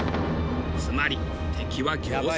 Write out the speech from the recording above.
つまり敵は行政。